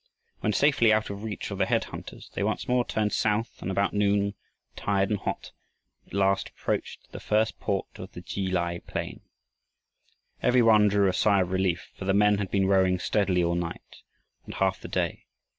When safely out of reach of the headhunters, they once more turned south, and, about noon, tired and hot, at last approached the first port of the Ki lai plain. Every one drew a sigh of relief, for the men had been rowing steadily all night and half the day.